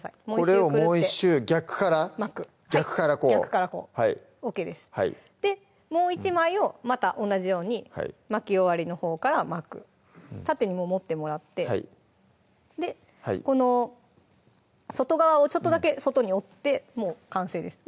これをもう１周逆から巻く逆からこう逆からこうＯＫですもう１枚をまた同じように巻き終わりのほうから巻く縦にもう持ってもらってこの外側をちょっとだけ外に折ってもう完成です